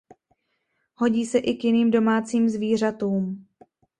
Hodí se i k jiným domácím zvířatům.